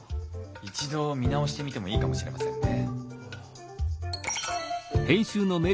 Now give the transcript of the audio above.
一度見直してみてもいいかもしれませんね。